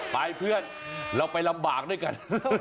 ไปเพื่อนเราไปลำบากด้วยกัน